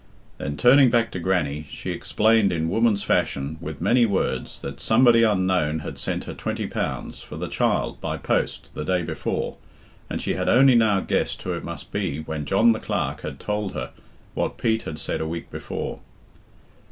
Then turning back to Grannie, she explained in woman's fashion, with many words, that somebody unknown had sent her twenty pounds, for the child, by post, the day before, and she had only now guessed who it must be when John the Clerk had told her what Pete had said a week before.